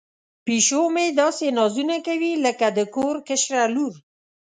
پیشو مې داسې نازونه کوي لکه د کور کشره لور.